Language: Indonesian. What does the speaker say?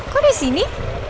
kok di sini